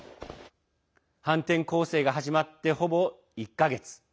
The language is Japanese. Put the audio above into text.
反転攻勢が始まって、ほぼ１か月。